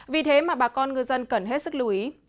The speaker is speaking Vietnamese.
vì thế mà bà con ngư dân cần hết sức lưu ý